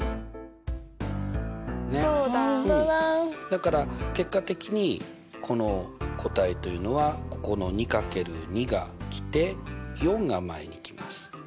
だから結果的にこの答えというのはここの２×２が来て４が前に来ます。